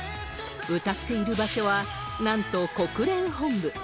歌っている場所は、なんと国連本部。